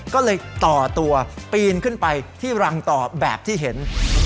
ก็เลยต่อตัวปีนขึ้นไปที่รังต่อแบบที่เห็น